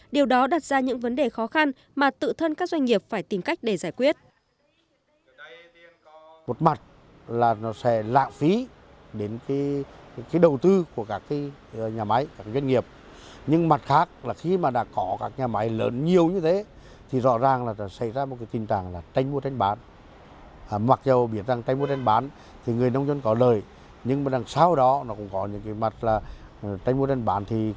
điều đó đặt ra những vấn đề khó khăn mà tự thân các doanh nghiệp phải tìm cách để giải quyết